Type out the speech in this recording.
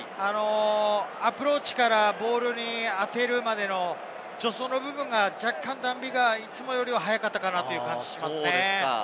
アプローチからボールに当てるまでの助走の部分が若干いつもより早かったかなという感じがします。